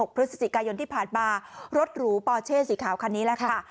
พฤศจิกายนที่ผ่านมารถหรูปอเช่สีขาวคันนี้แหละค่ะ